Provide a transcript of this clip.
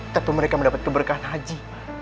tapi mereka mendapat keberkahan haji